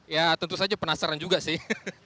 ya tentu saja penasaran juga sih